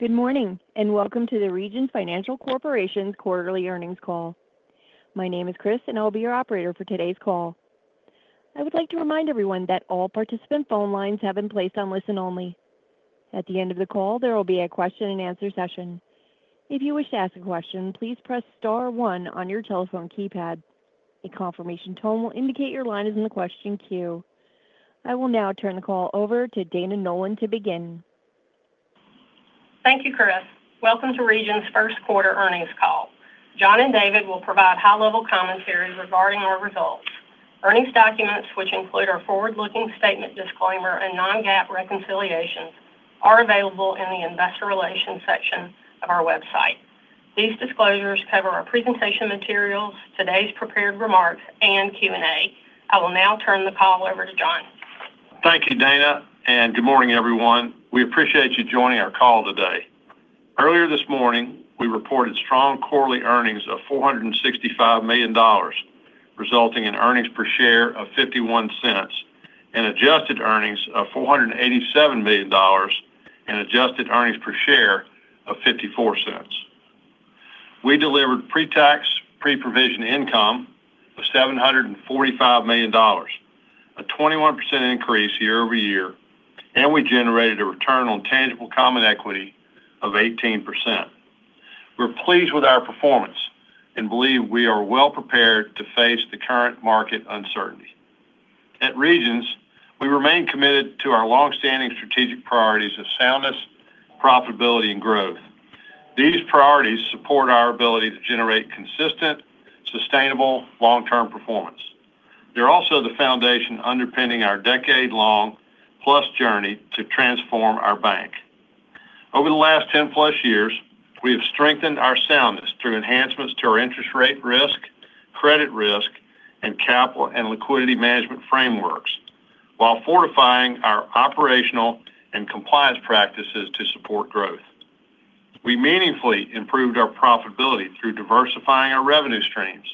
Good morning and welcome to the Regions Financial Corporation's quarterly earnings call. My name is Chris, and I'll be your operator for today's call. I would like to remind everyone that all participant phone lines have been placed on listen only. At the end of the call, there will be a question-and-answer session. If you wish to ask a question, please press star one on your telephone keypad. A confirmation tone will indicate your line is in the question queue. I will now turn the call over to Dana Nolan to begin. Thank you, Chris. Welcome to Regions' first quarter earnings call. John and David will provide high-level commentaries regarding our results. Earnings documents, which include our forward-looking statement, disclaimer, and non-GAAP reconciliations, are available in the Investor Relations section of our website. These disclosures cover our presentation materials, today's prepared remarks, and Q&A. I will now turn the call over to John. Thank you, Dana, and good morning, everyone. We appreciate you joining our call today. Earlier this morning, we reported strong quarterly earnings of $465 million, resulting in earnings per share of $0.51, and adjusted earnings of $487 million, and adjusted earnings per share of $0.54. We delivered pre-tax, pre-provision income of $745 million, a 21% increase year-over-year, and we generated a return on tangible common equity of 18%. We're pleased with our performance and believe we are well prepared to face the current market uncertainty. At Regions, we remain committed to our longstanding strategic priorities of soundness, profitability, and growth. These priorities support our ability to generate consistent, sustainable, long-term performance. They're also the foundation underpinning our decade-long plus journey to transform our bank. Over the last 10+ years, we have strengthened our soundness through enhancements to our interest rate risk, credit risk, and capital and liquidity management frameworks, while fortifying our operational and compliance practices to support growth. We meaningfully improved our profitability through diversifying our revenue streams,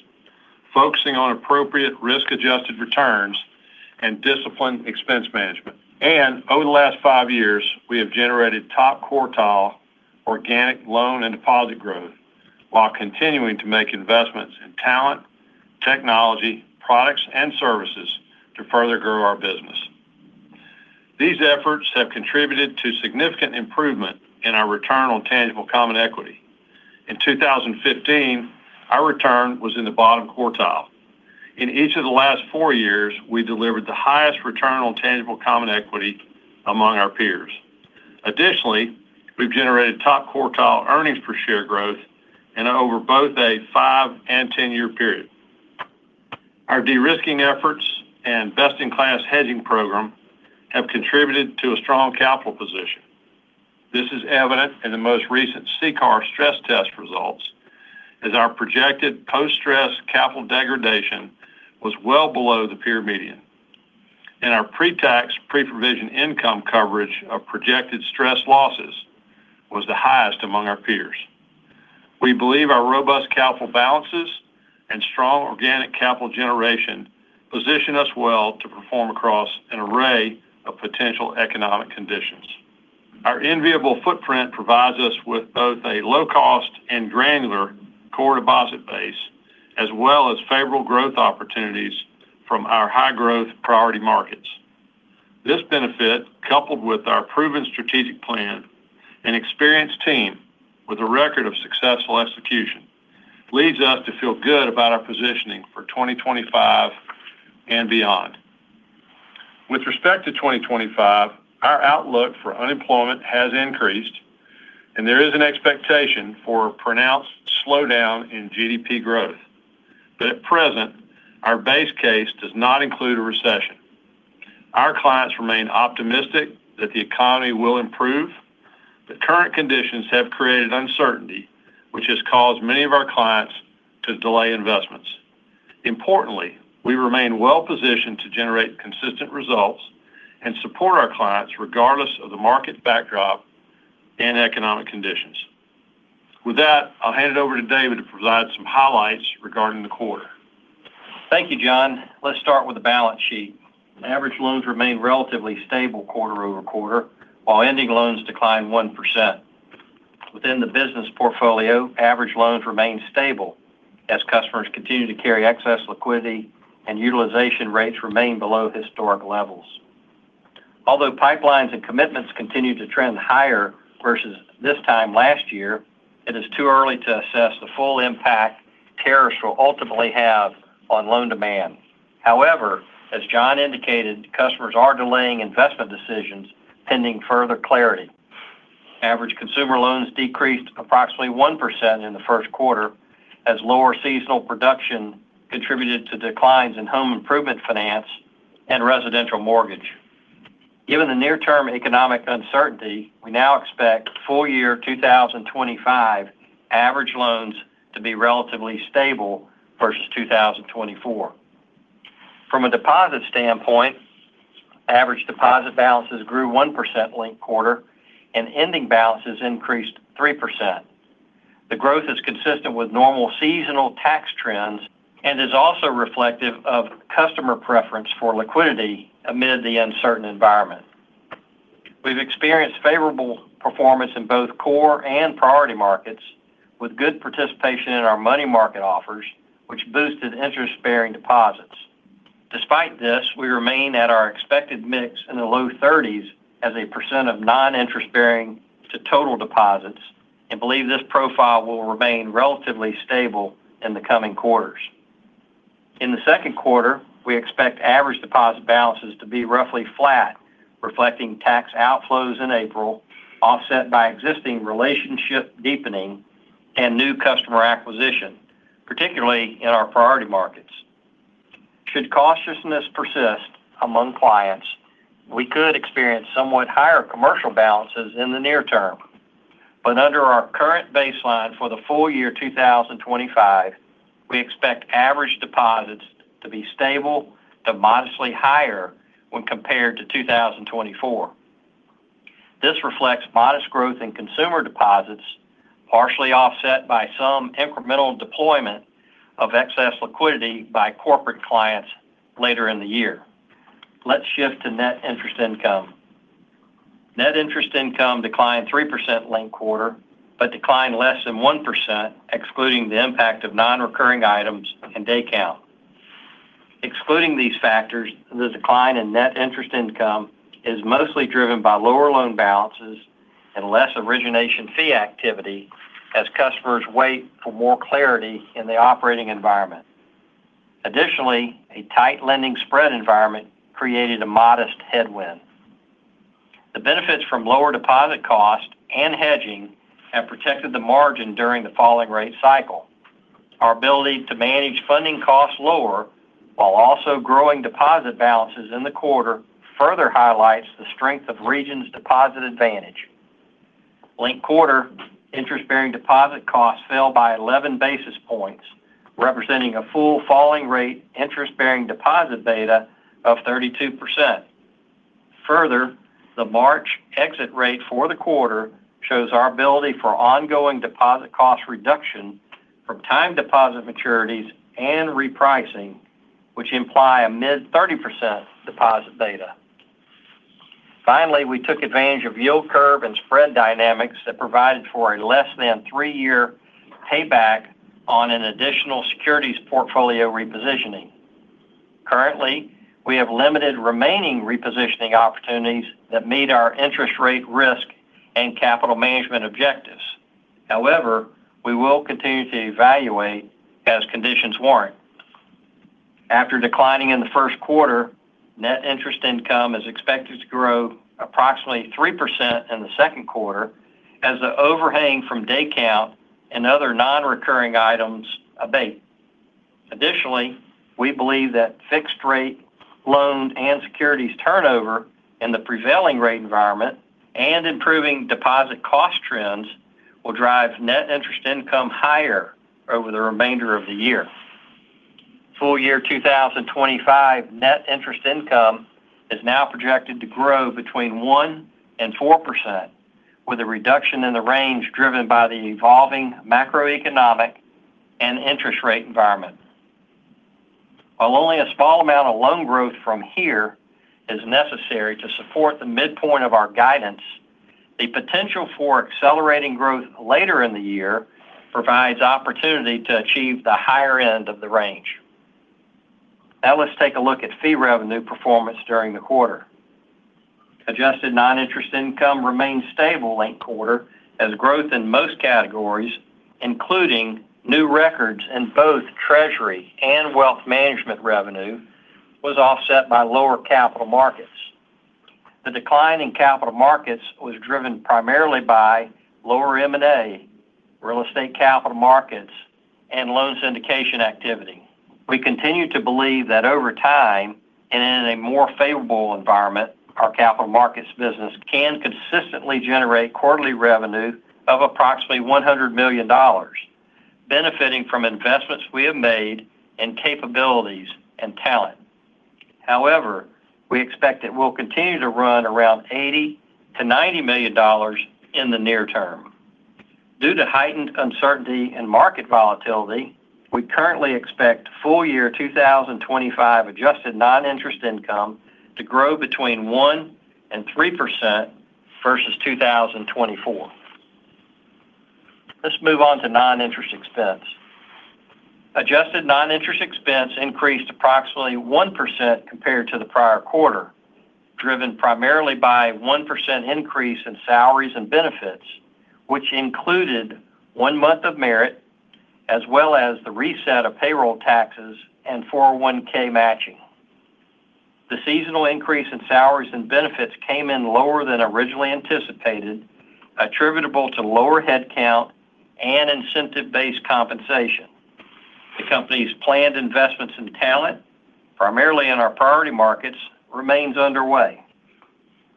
focusing on appropriate risk-adjusted returns and disciplined expense management. Over the last five years, we have generated top quartile organic loan and deposit growth while continuing to make investments in talent, technology, products, and services to further grow our business. These efforts have contributed to significant improvement in our return on tangible common equity. In 2015, our return was in the bottom quartile. In each of the last four years, we delivered the highest return on tangible common equity among our peers. Additionally, we've generated top quartile earnings per share growth over both a five and 10-year period. Our de-risking efforts and best-in-class hedging program have contributed to a strong capital position. This is evident in the most recent CCAR stress test results, as our projected post-stress capital degradation was well below the peer median. Our pre-tax, pre-provision income coverage of projected stress losses was the highest among our peers. We believe our robust capital balances and strong organic capital generation position us well to perform across an array of potential economic conditions. Our enviable footprint provides us with both a low-cost and granular core deposit base, as well as favorable growth opportunities from our high-growth priority markets. This benefit, coupled with our proven strategic plan and experienced team with a record of successful execution, leads us to feel good about our positioning for 2025 and beyond. With respect to 2025, our outlook for unemployment has increased, and there is an expectation for a pronounced slowdown in GDP growth. At present, our base case does not include a recession. Our clients remain optimistic that the economy will improve, but current conditions have created uncertainty, which has caused many of our clients to delay investments. Importantly, we remain well positioned to generate consistent results and support our clients regardless of the market backdrop and economic conditions. With that, I'll hand it over to David to provide some highlights regarding the quarter. Thank you, John. Let's start with the balance sheet. Average loans remain relatively stable quarter over quarter, while ending loans decline 1%. Within the business portfolio, average loans remain stable as customers continue to carry excess liquidity, and utilization rates remain below historic levels. Although pipelines and commitments continue to trend higher versus this time last year, it is too early to assess the full impact tariffs will ultimately have on loan demand. However, as John indicated, customers are delaying investment decisions pending further clarity. Average consumer loans decreased approximately 1% in the first quarter as lower seasonal production contributed to declines in home improvement finance and residential mortgage. Given the near-term economic uncertainty, we now expect full year 2025 average loans to be relatively stable versus 2024. From a deposit standpoint, average deposit balances grew 1% linked quarter, and ending balances increased 3%. The growth is consistent with normal seasonal tax trends and is also reflective of customer preference for liquidity amid the uncertain environment. We've experienced favorable performance in both core and priority markets with good participation in our money market offers, which boosted interest-bearing deposits. Despite this, we remain at our expected mix in the low 30s as a percent of non-interest-bearing to total deposits and believe this profile will remain relatively stable in the coming quarters. In the second quarter, we expect average deposit balances to be roughly flat, reflecting tax outflows in April offset by existing relationship deepening and new customer acquisition, particularly in our priority markets. Should cautiousness persist among clients, we could experience somewhat higher commercial balances in the near term. Under our current baseline for the full year 2025, we expect average deposits to be stable to modestly higher when compared to 2024. This reflects modest growth in consumer deposits, partially offset by some incremental deployment of excess liquidity by corporate clients later in the year. Let's shift to net interest income. Net interest income declined 3% linked quarter, but declined less than 1%, excluding the impact of non-recurring items and day count. Excluding these factors, the decline in net interest income is mostly driven by lower loan balances and less origination fee activity as customers wait for more clarity in the operating environment. Additionally, a tight lending spread environment created a modest headwind. The benefits from lower deposit costs and hedging have protected the margin during the falling rate cycle. Our ability to manage funding costs lower while also growing deposit balances in the quarter further highlights the strength of Regions' deposit advantage. Linked quarter, interest-bearing deposit costs fell by 11 basis points, representing a full falling rate interest-bearing deposit beta of 32%. Further, the March exit rate for the quarter shows our ability for ongoing deposit cost reduction from time deposit maturities and repricing, which imply a mid-30% deposit beta. Finally, we took advantage of yield curve and spread dynamics that provided for a less than three-year payback on an additional securities portfolio repositioning. Currently, we have limited remaining repositioning opportunities that meet our interest rate risk and capital management objectives. However, we will continue to evaluate as conditions warrant. After declining in the first quarter, net interest income is expected to grow approximately 3% in the second quarter as the overhang from day count and other non-recurring items abate. Additionally, we believe that fixed rate loans and securities turnover in the prevailing rate environment and improving deposit cost trends will drive net interest income higher over the remainder of the year. Full year 2025 net interest income is now projected to grow between 1% and 4%, with a reduction in the range driven by the evolving macroeconomic and interest rate environment. While only a small amount of loan growth from here is necessary to support the midpoint of our guidance, the potential for accelerating growth later in the year provides opportunity to achieve the higher end of the range. Now let's take a look at fee revenue performance during the quarter. Adjusted non-interest income remained stable linked quarter as growth in most categories, including new records in both Treasury and Wealth Management revenue, was offset by lower Capital Markets. The decline in Capital Markets was driven primarily by lower M&A, real estate Capital Markets, and loan syndication activity. We continue to believe that over time and in a more favorable environment, our Capital Markets business can consistently generate quarterly revenue of approximately $100 million, benefiting from investments we have made and capabilities and talent. However, we expect it will continue to run around $80 million-$90 million in the near term. Due to heightened uncertainty and market volatility, we currently expect full year 2025 adjusted non-interest income to grow between 1% and 3% versus 2024. Let's move on to non-interest expense. Adjusted non-interest expense increased approximately 1% compared to the prior quarter, driven primarily by a 1% increase in salaries and benefits, which included one month of merit, as well as the reset of payroll taxes and 401(k) matching. The seasonal increase in salaries and benefits came in lower than originally anticipated, attributable to lower headcount and incentive-based compensation. The company's planned investments in talent, primarily in our priority markets, remain underway.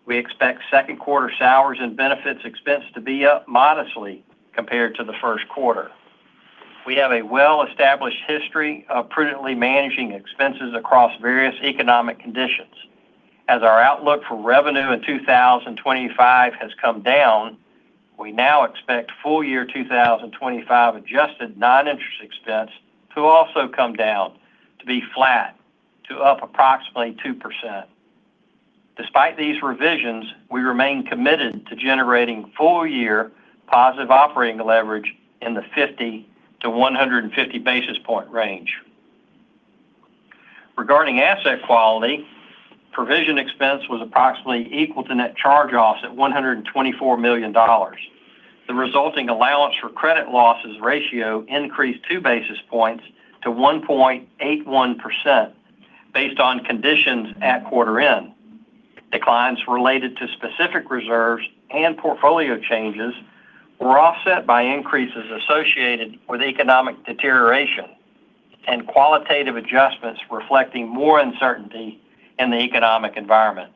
We expect second quarter salaries and benefits expense to be up modestly compared to the first quarter. We have a well-established history of prudently managing expenses across various economic conditions. As our outlook for revenue in 2025 has come down, we now expect full year 2025 adjusted non-interest expense to also come down to be flat to up approximately 2%. Despite these revisions, we remain committed to generating full year positive operating leverage in the 50-150 basis point range. Regarding asset quality, provision expense was approximately equal to net charge-offs at $124 million. The resulting allowance for credit losses ratio increased two basis points to 1.81% based on conditions at quarter end. Declines related to specific reserves and portfolio changes were offset by increases associated with economic deterioration and qualitative adjustments reflecting more uncertainty in the economic environment.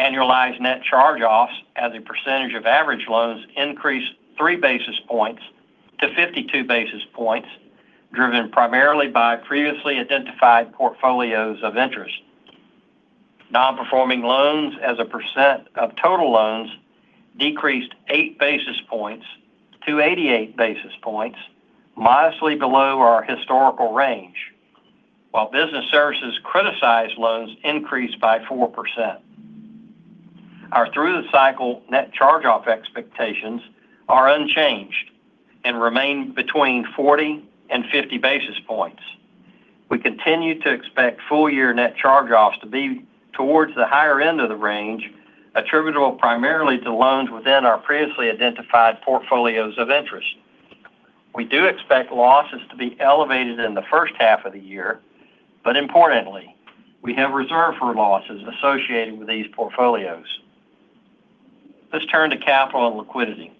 Annualized net charge-offs as a percentage of average loans increased three basis points to 52 basis points, driven primarily by previously identified portfolios of interest. Non-performing loans as a percent of total loans decreased eight basis points to 88 basis points, modestly below our historical range, while Business Services criticized loans increased by 4%. Our through-the-cycle net charge-off expectations are unchanged and remain between 40 and 50 basis points. We continue to expect full year net charge-offs to be towards the higher end of the range, attributable primarily to loans within our previously identified portfolios of interest. We do expect losses to be elevated in the first half of the year, but importantly, we have reserved for losses associated with these portfolios. Let's turn to capital and liquidity.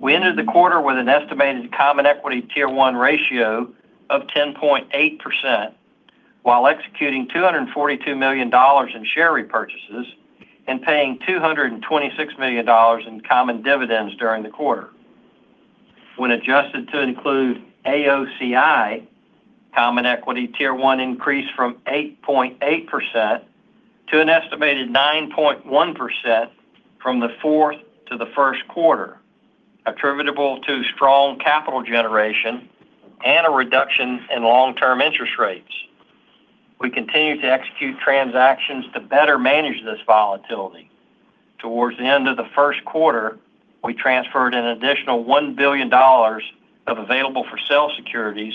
We entered the quarter with an estimated Common Equity Tier 1 ratio of 10.8%, while executing $242 million in share repurchases and paying $226 million in common dividends during the quarter. When adjusted to include AOCI, Common Equity Tier 1 increased from 8.8% to an estimated 9.1% from the fourth to the first quarter, attributable to strong capital generation and a reduction in long-term interest rates. We continue to execute transactions to better manage this volatility. Towards the end of the first quarter, we transferred an additional $1 billion of available-for-sale securities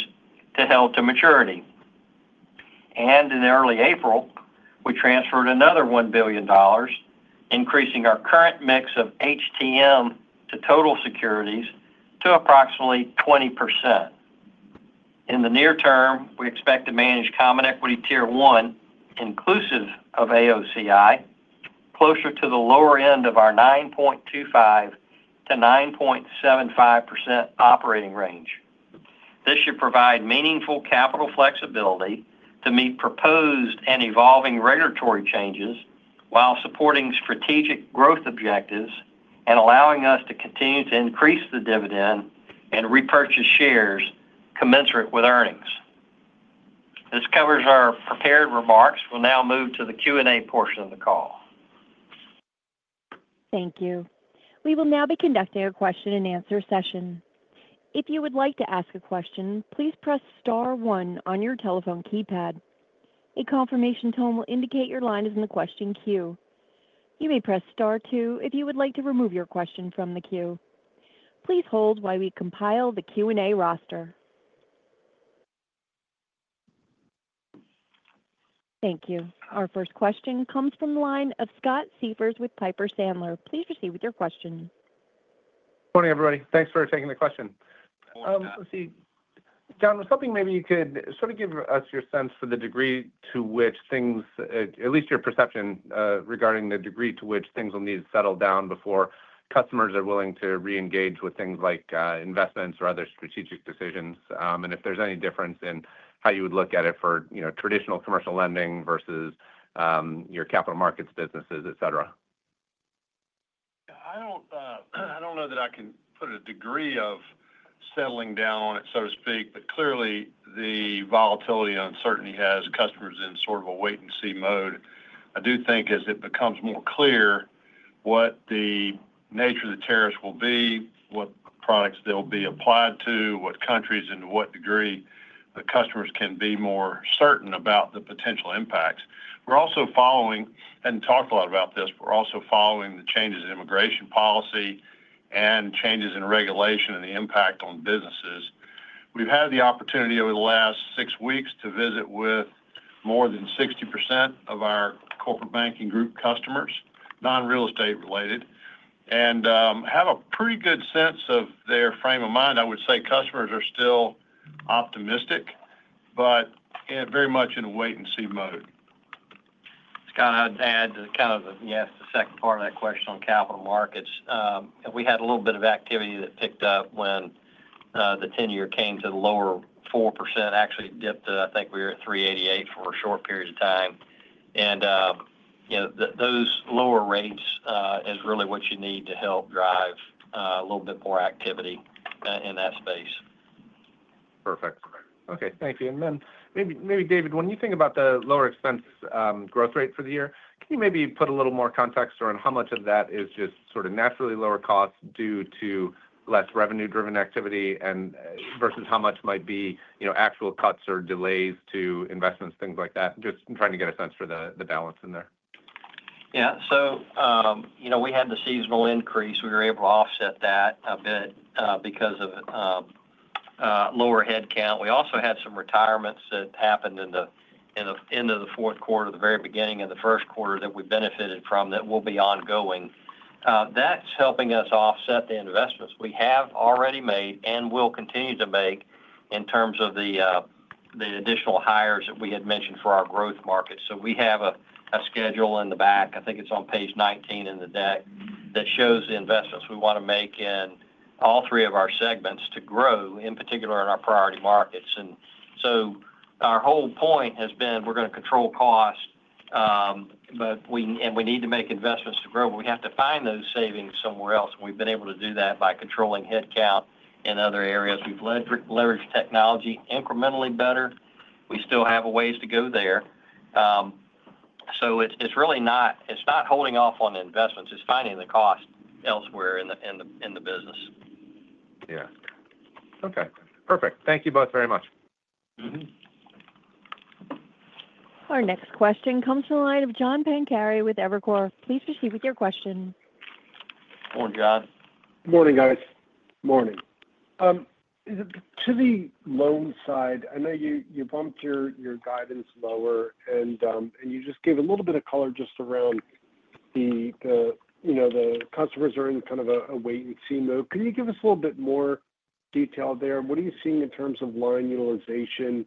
to held-to-maturity. In early April, we transferred another $1 billion, increasing our current mix of HTM to total securities to approximately 20%. In the near term, we expect to manage Common Equity Tier 1, inclusive of AOCI, closer to the lower end of our 9.25%-9.75% operating range. This should provide meaningful capital flexibility to meet proposed and evolving regulatory changes while supporting strategic growth objectives and allowing us to continue to increase the dividend and repurchase shares commensurate with earnings. This covers our prepared remarks. We'll now move to the Q&A portion of the call. Thank you. We will now be conducting a question and answer session. If you would like to ask a question, please press star one on your telephone keypad. A confirmation tone will indicate your line is in the question queue. You may press star two if you would like to remove your question from the queue. Please hold while we compile the Q&A roster. Thank you. Our first question comes from the line of Scott Siefers with Piper Sandler. Please proceed with your question. Morning, everybody. Thanks for taking the question. Morning Scott. Let's see. John, I was hoping maybe you could sort of give us your sense for the degree to which things, at least your perception regarding the degree to which things will need to settle down before customers are willing to re-engage with things like investments or other strategic decisions, and if there's any difference in how you would look at it for traditional commercial lending versus your Capital Markets businesses, etc. I don't know that I can put a degree of settling down on it, so to speak, but clearly the volatility and uncertainty has customers in sort of a wait-and-see mode. I do think as it becomes more clear what the nature of the tariffs will be, what products they'll be applied to, what countries and to what degree the customers can be more certain about the potential impacts. We're also following, and talked a lot about this, but we're also following the changes in immigration policy and changes in regulation and the impact on businesses. We've had the opportunity over the last six weeks to visit with more than 60% of our Corporate Banking Group customers, non-real estate related, and have a pretty good sense of their frame of mind. I would say customers are still optimistic, but very much in a wait-and-see mode. Scott, I'd add to kind of, yes, the second part of that question on Capital Markets. We had a little bit of activity that picked up when the 10-year came to the lower 4%, actually dipped to, I think we were at 3.88% for a short period of time. And those lower rates is really what you need to help drive a little bit more activity in that space. Perfect. Okay. Thank you. Maybe, David, when you think about the lower expense growth rate for the year, can you maybe put a little more context around how much of that is just sort of naturally lower costs due to less revenue-driven activity versus how much might be actual cuts or delays to investments, things like that? Just trying to get a sense for the balance in there. Yeah. We had the seasonal increase. We were able to offset that a bit because of lower headcount. We also had some retirements that happened in the end of the fourth quarter, the very beginning of the first quarter that we benefited from that will be ongoing. That's helping us offset the investments we have already made and will continue to make in terms of the additional hires that we had mentioned for our growth markets. We have a schedule in the back. I think it's on page 19 in the deck that shows the investments we want to make in all three of our segments to grow, in particular in our priority markets. Our whole point has been we're going to control cost, and we need to make investments to grow. We have to find those savings somewhere else. We have been able to do that by controlling headcount in other areas. We have leveraged technology incrementally better. We still have a ways to go there. It is really not holding off on investments. It is finding the cost elsewhere in the business. Yeah. Okay. Perfect. Thank you both very much. Our next question comes from the line of John Pancari with Evercore. Please proceed with your question. Morning, John. Morning, guys. Morning. To the loan side, I know you bumped your guidance lower, and you just gave a little bit of color just around the customers are in kind of a wait-and-see mode. Can you give us a little bit more detail there? What are you seeing in terms of line utilization?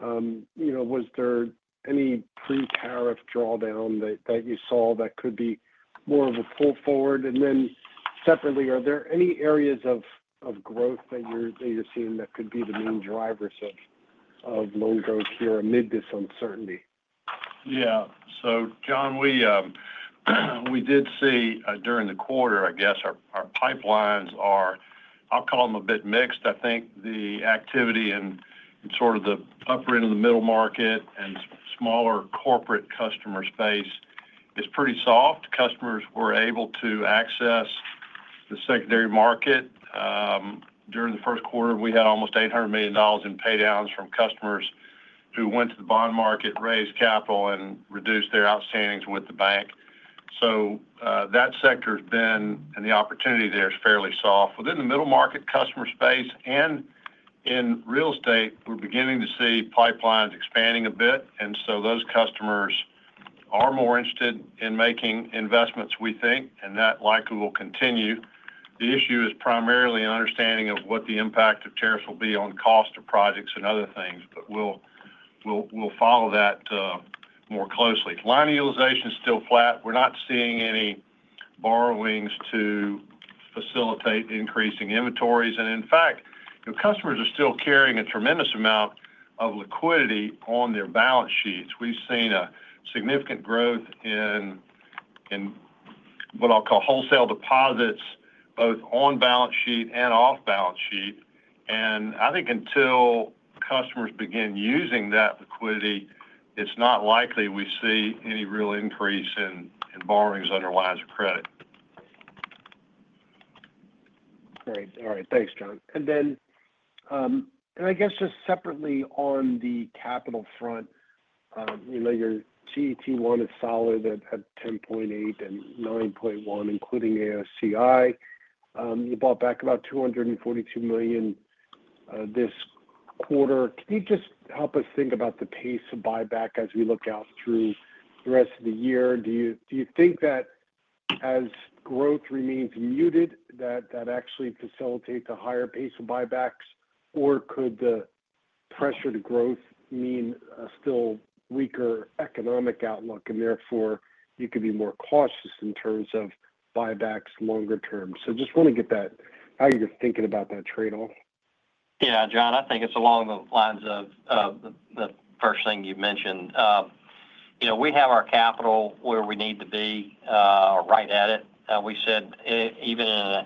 Was there any pre-tariff drawdown that you saw that could be more of a pull forward? Then separately, are there any areas of growth that you're seeing that could be the main drivers of loan growth here amid this uncertainty? Yeah. So John, we did see during the quarter, I guess, our pipelines are, I'll call them a bit mixed. I think the activity in sort of the upper end of the middle market and smaller corporate customer space is pretty soft. Customers were able to access the secondary market. During the first quarter, we had almost $800 million in paydowns from customers who went to the bond market, raised capital, and reduced their outstandings with the bank. That sector has been, and the opportunity there is fairly soft. Within the middle market customer space and in real estate, we're beginning to see pipelines expanding a bit. Those customers are more interested in making investments, we think, and that likely will continue. The issue is primarily an understanding of what the impact of tariffs will be on cost of projects and other things, but we'll follow that more closely. Line utilization is still flat. We're not seeing any borrowings to facilitate increasing inventories. In fact, customers are still carrying a tremendous amount of liquidity on their balance sheets. We've seen a significant growth in what I'll call wholesale deposits, both on balance sheet and off balance sheet. I think until customers begin using that liquidity, it's not likely we see any real increase in borrowings under lines of credit. Great. All right. Thanks, John. I guess just separately on the capital front, your CET1 is solid at 10.8% and 9.1% including AOCI. You bought back about $242 million this quarter. Can you just help us think about the pace of buyback as we look out through the rest of the year? Do you think that as growth remains muted, that actually facilitates a higher pace of buybacks, or could the pressure to growth mean a still weaker economic outlook and therefore you could be more cautious in terms of buybacks longer term? I just want to get that, how you're thinking about that trade-off. Yeah, John, I think it's along the lines of the first thing you mentioned. We have our capital where we need to be right at it. We said even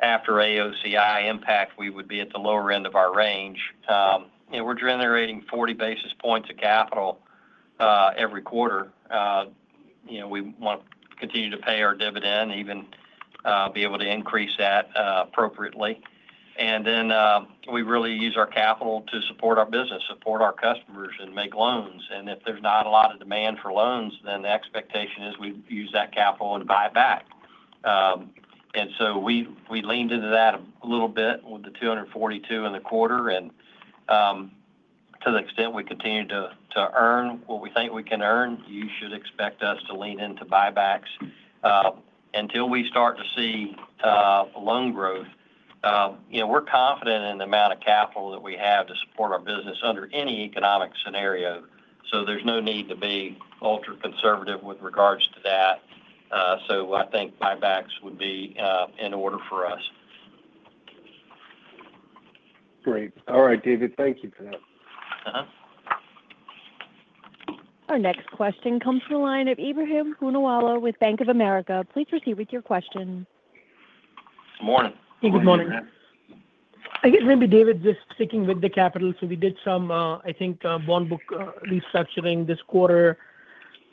after AOCI impact, we would be at the lower end of our range. We're generating 40 basis points of capital every quarter. We want to continue to pay our dividend, even be able to increase that appropriately. We really use our capital to support our business, support our customers, and make loans. If there's not a lot of demand for loans, the expectation is we use that capital and buy back. We leaned into that a little bit with the $242 million in the quarter. To the extent we continue to earn what we think we can earn, you should expect us to lean into buybacks until we start to see loan growth. We're confident in the amount of capital that we have to support our business under any economic scenario. There's no need to be ultra-conservative with regards to that. I think buybacks would be in order for us. Great. All right, David. Thank you for that. Our next question comes from the line of Ebrahim Poonawala with Bank of America. Please proceed with your question. Morning. Good morning. I guess maybe, David, just sticking with the capital. We did some, I think, bond book restructuring this quarter,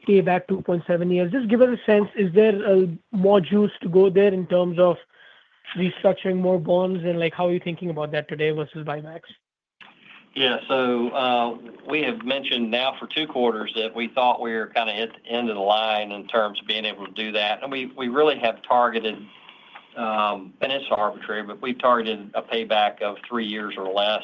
payback 2.7 years. Just give us a sense. Is there more juice to go there in terms of restructuring more bonds? How are you thinking about that today versus buybacks? Yeah. We have mentioned now for two quarters that we thought we were kind of at the end of the line in terms of being able to do that. We really have targeted, and it's arbitrary, but we've targeted a payback of three years or less.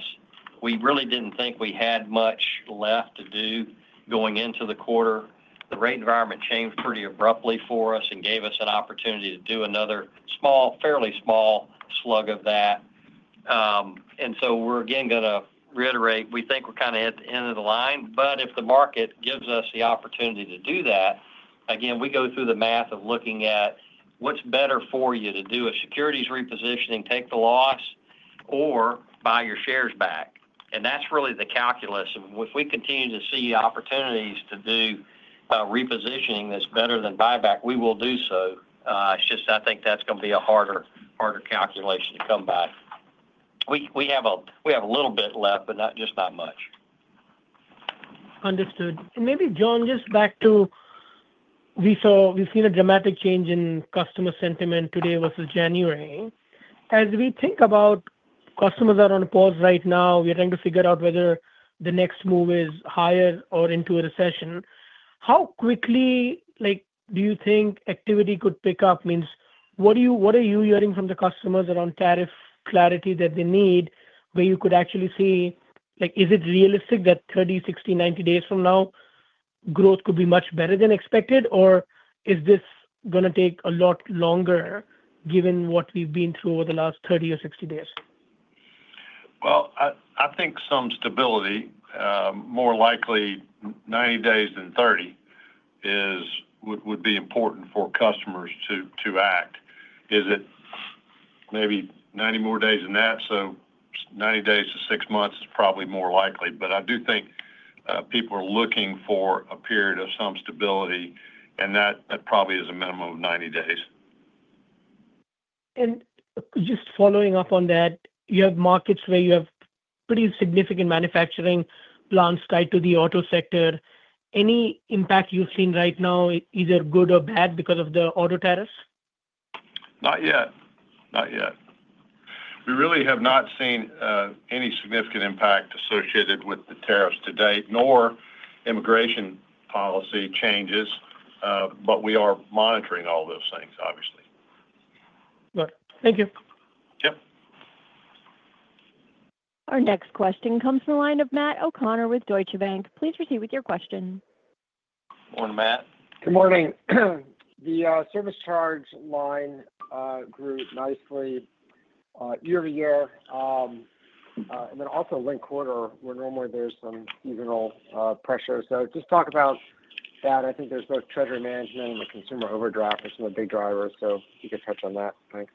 We really did not think we had much left to do going into the quarter. The rate environment changed pretty abruptly for us and gave us an opportunity to do another small, fairly small slug of that. We are again going to reiterate, we think we are kind of at the end of the line. If the market gives us the opportunity to do that again, we go through the math of looking at what is better for you to do a securities repositioning, take the loss, or buy your shares back. That is really the calculus. If we continue to see opportunities to do repositioning that is better than buyback, we will do so. I think that is going to be a harder calculation to come by. We have a little bit left, but just not much. Understood. Maybe, John, just back to we have seen a dramatic change in customer sentiment today versus January. As we think about customers that are on pause right now, we are trying to figure out whether the next move is higher or into a recession. How quickly do you think activity could pick up? What are you hearing from the customers around tariff clarity that they need where you could actually see, is it realistic that 30, 60, 90 days from now growth could be much better than expected, or is this going to take a lot longer given what we have been through over the last 30 or 60 days? I think some stability, more likely 90 days than 30, would be important for customers to act. Is it maybe 90 more days than that? 90 days to six months is probably more likely. I do think people are looking for a period of some stability, and that probably is a minimum of 90 days. Just following up on that, you have markets where you have pretty significant manufacturing plants tied to the auto sector. Any impact you've seen right now, either good or bad because of the auto tariffs? Not yet. Not yet. We really have not seen any significant impact associated with the tariffs today, nor immigration policy changes. We are monitoring all those things, obviously. All right. Thank you. Yep. Our next question comes from the line of Matt O'Connor with Deutsche Bank. Please proceed with your question. Morning, Matt. Good morning. The service charge line grew nicely year to year. There was also late quarter, where normally there's some seasonal pressure. Just talk about that. I think there's both Treasury Management and the consumer overdraft as some of the big drivers. If you could touch on that. Thanks.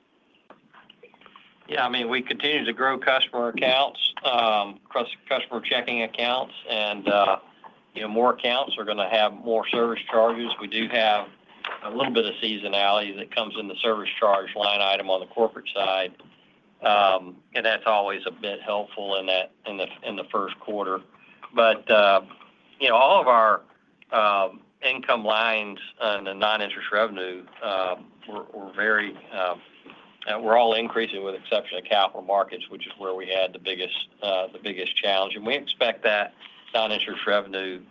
Yeah. I mean, we continue to grow customer accounts, customer checking accounts, and more accounts are going to have more service charges. We do have a little bit of seasonality that comes in the service charge line item on the corporate side. That is always a bit helpful in the first quarter. All of our income lines and the non-interest revenue were very, were all increasing with the exception of Capital Markets, which is where we had the biggest challenge. We expect that non-interest revenue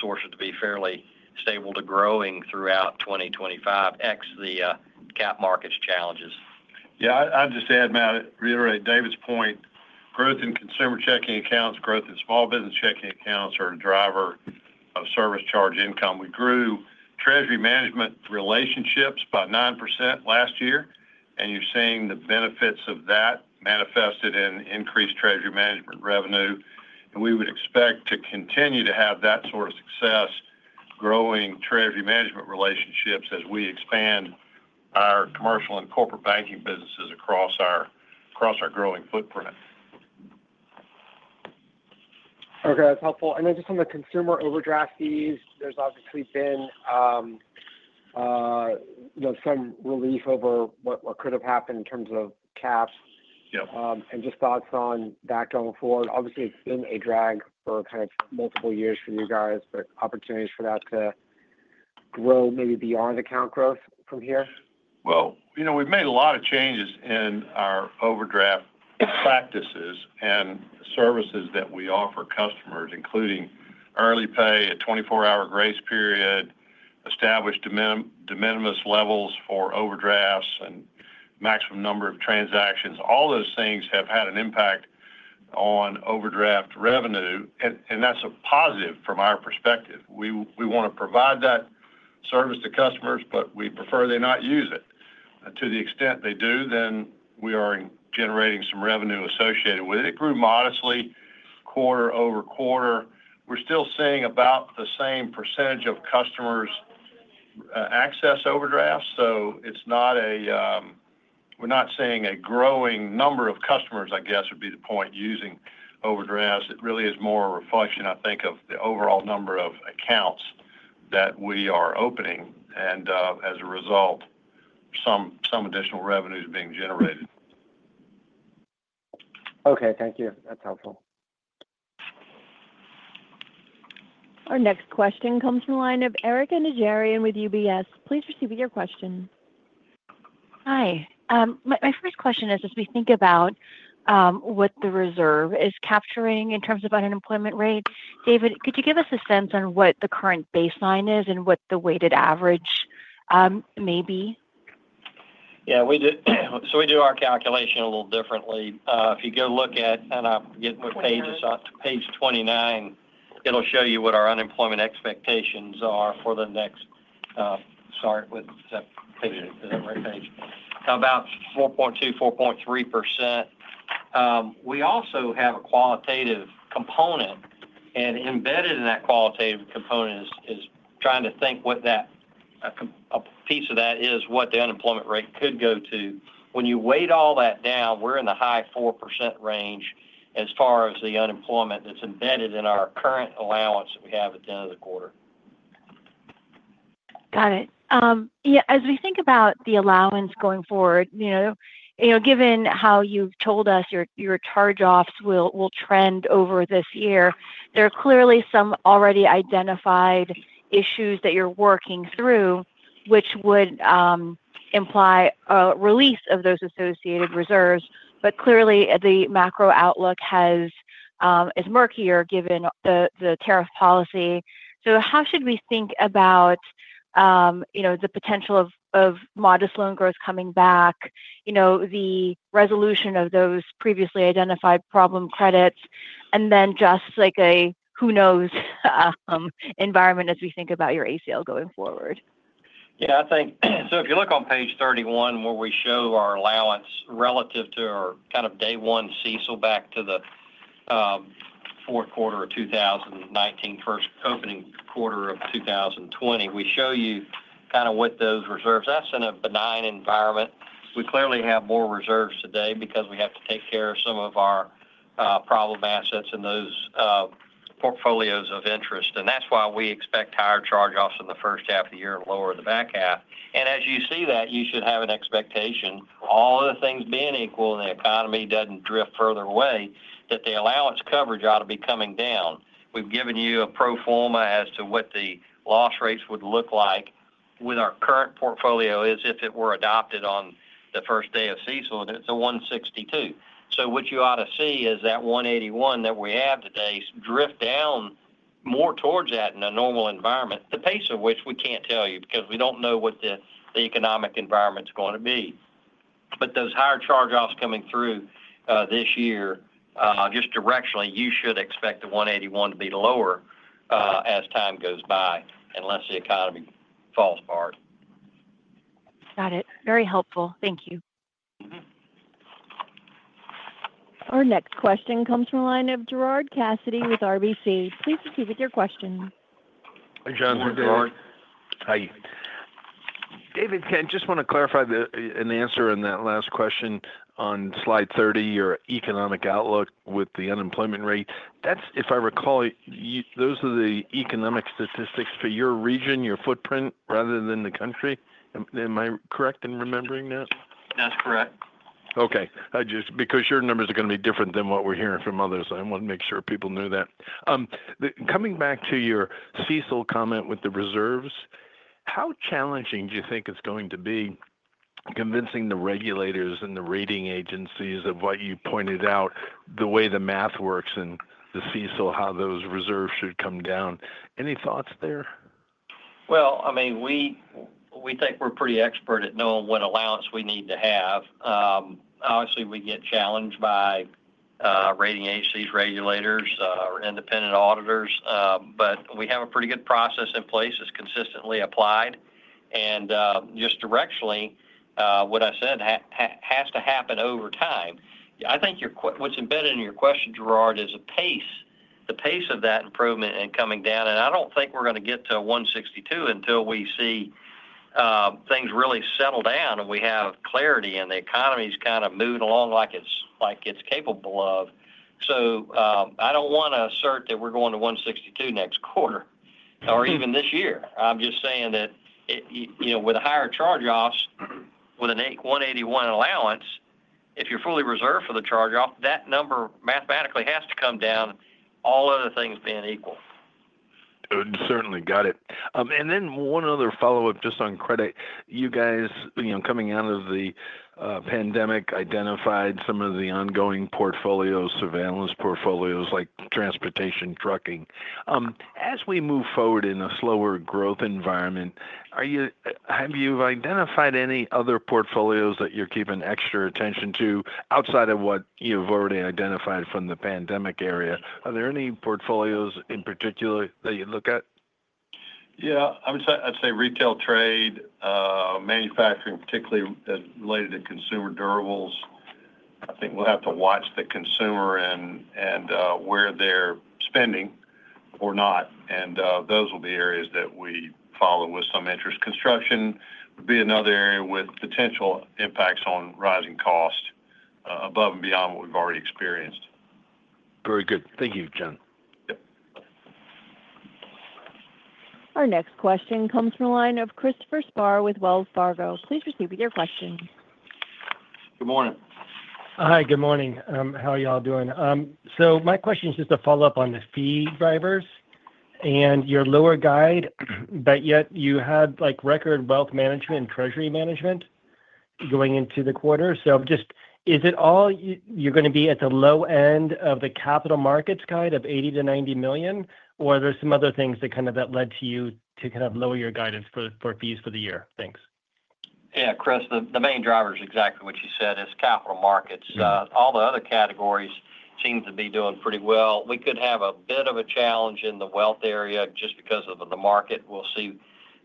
source to be fairly stable to growing throughout 2025, ex the cap markets challenges. Yeah. I'd just add, Matt, reiterate David's point. Growth in consumer checking accounts, growth in small business checking accounts are a driver of service charge income. We grew Treasury Management relationships about 9% last year. You are seeing the benefits of that manifested in increased Treasury Management revenue. We would expect to continue to have that sort of success, growing Treasury Management relationships as we expand our commercial and corporate banking businesses across our growing footprint. Okay. That's helpful. Just on the consumer overdraft fees, there's obviously been some relief over what could have happened in terms of caps. Just thoughts on that going forward. Obviously, it's been a drag for kind of multiple years for you guys, but opportunities for that to grow maybe beyond account growth from here? We have made a lot of changes in our overdraft practices and services that we offer customers, including Early Pay, a 24-hour grace period, established de minimis levels for overdrafts, and maximum number of transactions. All those things have had an impact on overdraft revenue. That is a positive from our perspective. We want to provide that service to customers, but we prefer they not use it. To the extent they do, then we are generating some revenue associated with it. It grew modestly quarter over quarter. We are still seeing about the same percentage of customers access overdrafts. We are not seeing a growing number of customers, I guess would be the point, using overdrafts. It really is more a reflection, I think, of the overall number of accounts that we are opening. As a result, some additional revenue is being generated. Okay. Thank you. That's helpful. Our next question comes from the line of Erika Najarian with UBS. Please proceed with your question. Hi. My first question is, as we think about what the reserve is capturing in terms of unemployment rate, David, could you give us a sense on what the current baseline is and what the weighted average may be? Yeah. We do our calculation a little differently. If you go look at, and I'm getting with pages to page 29, it'll show you what our unemployment expectations are for the next start with is that page? Is that the right page? How about 4.2%, 4.3%? We also have a qualitative component. Embedded in that qualitative component is trying to think what that piece of that is, what the unemployment rate could go to. When you weigh all that down, we're in the high 4% range as far as the unemployment that's embedded in our current allowance that we have at the end of the quarter. Got it. Yeah. As we think about the allowance going forward, given how you've told us your charge-offs will trend over this year, there are clearly some already identified issues that you're working through, which would imply a release of those associated reserves. Clearly, the macro outlook is murkier given the tariff policy. How should we think about the potential of modest loan growth coming back, the resolution of those previously identified problem credits, and then just a who-knows environment as we think about your ACL going forward? Yeah. If you look on page 31, where we show our allowance relative to our kind of day one CECL back to the fourth quarter of 2019, first opening quarter of 2020, we show you kind of what those reserves, that's in a benign environment. We clearly have more reserves today because we have to take care of some of our problem assets in those portfolios of interest. That's why we expect higher charge-offs in the first half of the year and lower in the back half. As you see that, you should have an expectation, all of the things being equal, and the economy doesn't drift further away, that the allowance coverage ought to be coming down. We've given you a pro forma as to what the loss rates would look like with our current portfolio as if it were adopted on the first day of CECL. It's a 162. What you ought to see is that 181 that we have today drift down more towards that in a normal environment, the pace of which we can't tell you because we don't know what the economic environment's going to be. Those higher charge-offs coming through this year, just directionally, you should expect the 181 to be lower as time goes by unless the economy falls apart. Got it. Very helpful. Thank you. Our next question comes from the line of Gerard Cassidy with RBC. Please proceed with your question. Hi, John. This is Gerard. How are you? David, just want to clarify an answer on that last question on slide 30, your economic outlook with the unemployment rate. If I recall, those are the economic statistics for your region, your footprint, rather than the country. Am I correct in remembering that? That's correct. Okay. Just because your numbers are going to be different than what we're hearing from others, I want to make sure people knew that. Coming back to your CECL comment with the reserves, how challenging do you think it's going to be convincing the regulators and the rating agencies of what you pointed out, the way the math works in the CECL, how those reserves should come down? Any thoughts there? I mean, we think we're pretty expert at knowing what allowance we need to have. Obviously, we get challenged by rating agencies, regulators, our independent auditors. We have a pretty good process in place. It's consistently applied. Just directionally, what I said has to happen over time. I think what's embedded in your question, Gerard, is a pace. The pace of that improvement and coming down. I don't think we're going to get to 162 until we see things really settle down and we have clarity and the economy's kind of moving along like it's capable of. I don't want to assert that we're going to 162 next quarter or even this year. I'm just saying that with higher charge-offs, with an 181 allowance, if you're fully reserved for the charge-off, that number mathematically has to come down, all other things being equal. Certainly. Got it. One other follow-up just on credit. You guys, coming out of the pandemic, identified some of the ongoing portfolios, surveillance portfolios like transportation, trucking. As we move forward in a slower growth environment, have you identified any other portfolios that you're keeping extra attention to outside of what you've already identified from the pandemic area? Are there any portfolios in particular that you look at? Yeah. I'd say retail trade, manufacturing, particularly related to consumer durables. I think we'll have to watch the consumer and where they're spending or not. Those will be areas that we follow with some interest. Construction would be another area with potential impacts on rising costs above and beyond what we've already experienced. Very good. Thank you, John. Our next question comes from the line of Christopher Spahr with Wells Fargo. Please proceed with your question. Good morning. Hi. Good morning. How are y'all doing? My question is just a follow-up on the fee drivers. You're lower guide, but yet you had record Wealth Management and Treasury Management going into the quarter. Is it all you're going to be at the low end of the Capital Markets kind of $80 million-$90 million, or are there some other things that kind of led you to kind of lower your guidance for fees for the year? Thanks. Yeah. Chris, the main driver is exactly what you said. It's Capital Markets. All the other categories seem to be doing pretty well. We could have a bit of a challenge in the wealth area just because of the market. We'll see.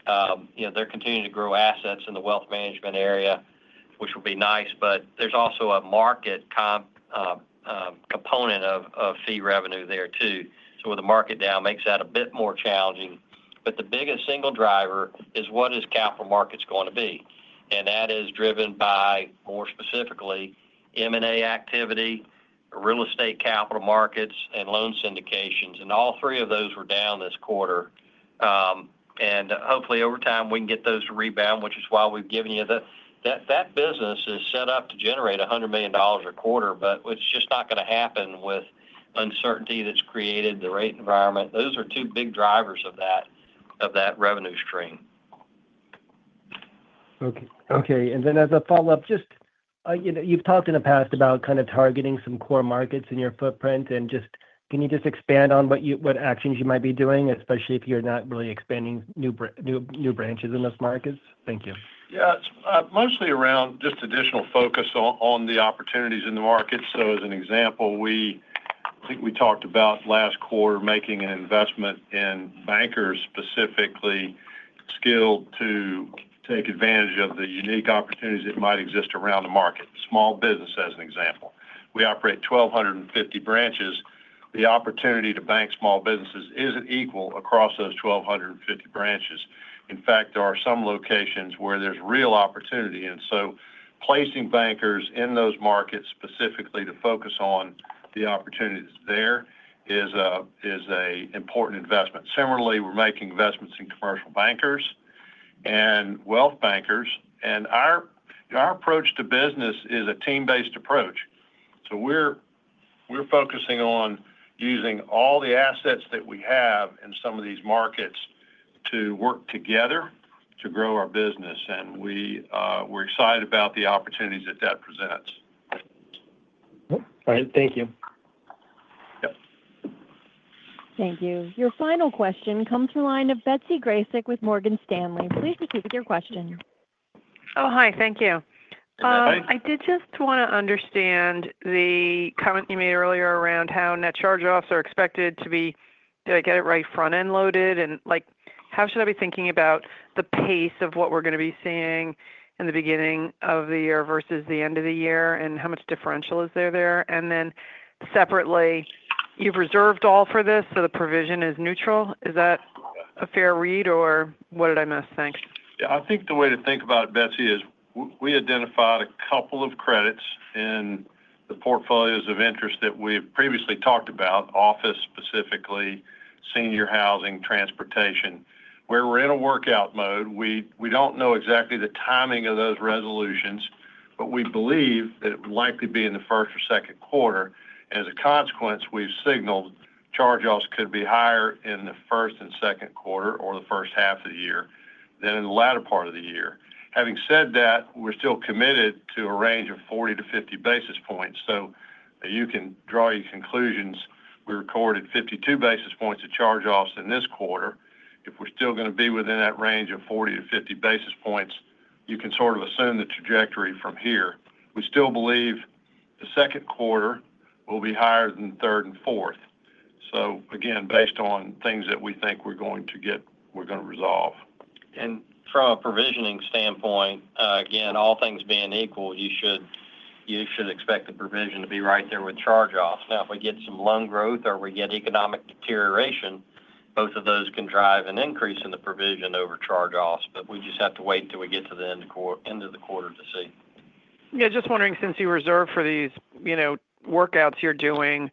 They're continuing to grow assets in the Wealth Management area, which would be nice. There is also a market component of fee revenue there too. With the market down, it makes that a bit more challenging. The biggest single driver is what is Capital Markets going to be? That is driven by, more specifically, M&A activity, real estate Capital Markets, and loan syndications. All three of those were down this quarter. Hopefully, over time, we can get those to rebound, which is why we've given you that that business is set up to generate $100 million a quarter, but it's just not going to happen with uncertainty that's created, the rate environment. Those are two big drivers of that revenue stream. Okay. As a follow-up, just you've talked in the past about kind of targeting some core markets in your footprint. Can you just expand on what actions you might be doing, especially if you're not really expanding new branches in those markets? Thank you. Yeah. It's mostly around just additional focus on the opportunities in the markets. As an example, I think we talked about last quarter making an investment in bankers specifically skilled to take advantage of the unique opportunities that might exist around the market. Small business, as an example. We operate 1,250 branches. The opportunity to bank small businesses isn't equal across those 1,250 branches. In fact, there are some locations where there's real opportunity. Placing bankers in those markets specifically to focus on the opportunities there is an important investment. Similarly, we're making investments in commercial bankers and wealth bankers. Our approach to business is a team-based approach. We're focusing on using all the assets that we have in some of these markets to work together to grow our business. We're excited about the opportunities that that presents. All right. Thank you. Thank you. Your final question comes from the line of Betsy Graseck with Morgan Stanley. Please proceed with your question. Oh, hi. Thank you. I did just want to understand the comment you made earlier around how net charge-offs are expected to be—did I get it right?—front-end loaded. How should I be thinking about the pace of what we're going to be seeing in the beginning of the year versus the end of the year, and how much differential is there there? Separately, you've reserved all for this, so the provision is neutral. Is that a fair read, or what did I miss? Thanks. Yeah. I think the way to think about it, Betsy, is we identified a couple of credits in the portfolios of interest that we've previously talked about: office specifically, senior housing, transportation. We're in a workout mode. We don't know exactly the timing of those resolutions, but we believe that it will likely be in the first or second quarter. As a consequence, we've signaled charge-offs could be higher in the first and second quarter or the first half of the year than in the latter part of the year. Having said that, we're still committed to a range of 40-50 basis points. You can draw your conclusions. We recorded 52 basis points of charge-offs in this quarter. If we're still going to be within that range of 40-50 basis points, you can sort of assume the trajectory from here. We still believe the second quarter will be higher than the third and fourth. Again, based on things that we think we are going to get, we are going to resolve. From a provisioning standpoint, again, all things being equal, you should expect the provision to be right there with charge-offs. Now, if we get some loan growth or we get economic deterioration, both of those can drive an increase in the provision over charge-offs. We just have to wait till we get to the end of the quarter to see. Yeah. Just wondering, since you reserve for these workouts you're doing,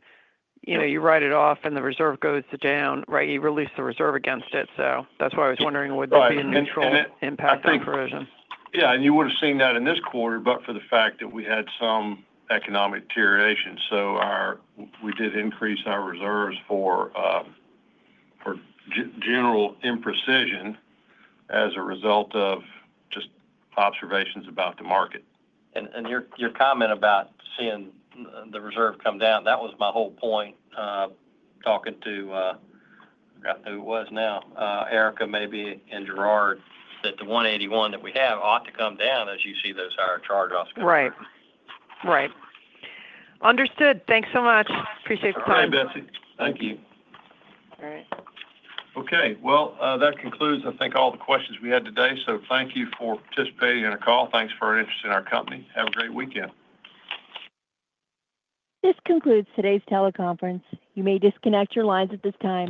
you write it off and the reserve goes down, right? You release the reserve against it. That's why I was wondering, would there be a neutral impact on provision? Yeah. You would have seen that in this quarter, but for the fact that we had some economic deterioration. We did increase our reserves for general imprecision as a result of just observations about the market. Your comment about seeing the reserve come down, that was my whole point talking to—I forgot who it was now—Erika, maybe, and Gerard, that the 181 that we have ought to come down as you see those higher charge-offs coming down. Right. Right. Understood. Thanks so much. Appreciate the time. All right, Betsy. Thank you. All right. Okay. That concludes, I think, all the questions we had today. Thank you for participating in our call. Thanks for interesting our company. Have a great weekend. This concludes today's teleconference. You may disconnect your lines at this time.